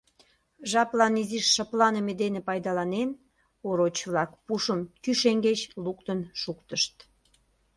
Жаплан изиш шыпланыме дене пайдаланен, ороч-влак пушым кӱ шеҥгеч луктын шуктышт.